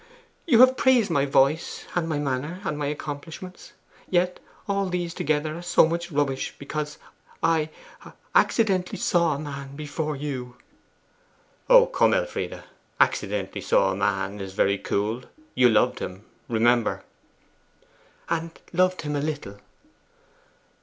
You have praised my voice, and my manner, and my accomplishments. Yet all these together are so much rubbish because I accidentally saw a man before you!' 'Oh, come, Elfride. "Accidentally saw a man" is very cool. You loved him, remember.' 'And loved him a little!